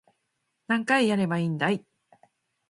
何回やればいいんだい